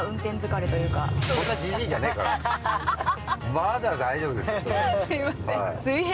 まだ大丈夫ですよ。